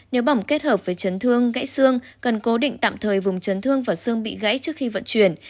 nếu bỏng kết hợp với chấn thương gãy xương cần cố định tạm thời vùng chấn thương và xương bị gãy trước khi vận chuyển